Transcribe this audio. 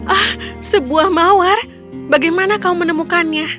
ah sebuah mawar bagaimana kau menemukannya